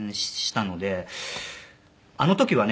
あの時はね